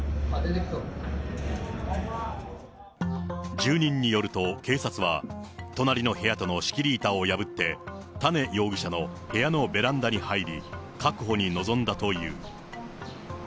住人によると、警察は、隣の部屋との仕切り板を破って、多禰容疑者の部屋のベランダに入り、確保に臨んだという。